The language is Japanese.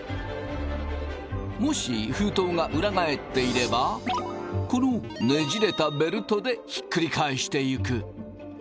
もし封筒が裏返っていればこのねじれたベルトでひっくり返していく。